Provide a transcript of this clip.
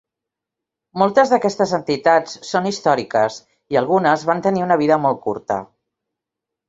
Moltes d'aquestes entitats són històriques i algunes van tenir una vida molt curta.